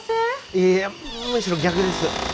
いえいえむしろ逆です。